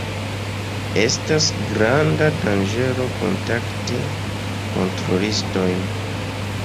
Estas granda danĝero kontakti kontrolistojn.